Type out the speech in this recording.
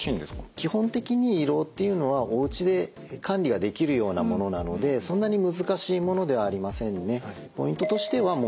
基本的に胃ろうっていうのはおうちで管理ができるようなものなのでそんなに難しいものではありませんね。